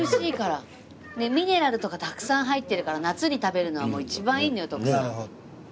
ミネラルとかたくさん入ってるから夏に食べるのは一番いいんだよ徳さん。